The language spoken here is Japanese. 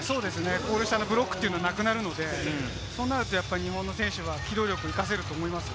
ゴール下のブロックはなくなるので、そうなると日本の選手は機動力、活かせると思います。